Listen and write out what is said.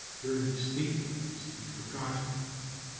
Goering's statement was to be forgotten.